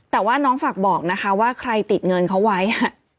แต่ว่าน้องฝากบอกนะคะว่าใครติดเงินเขาไว้